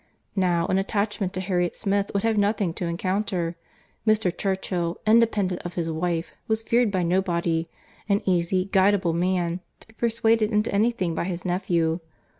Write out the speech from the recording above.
Now, an attachment to Harriet Smith would have nothing to encounter. Mr. Churchill, independent of his wife, was feared by nobody; an easy, guidable man, to be persuaded into any thing by his nephew.